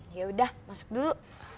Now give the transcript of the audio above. ya udah masuk dulu